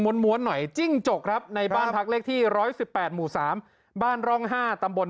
้วนหน่อยจิ้งจกครับในบ้านพักเลขที่๑๑๘หมู่๓บ้านร่อง๕ตำบล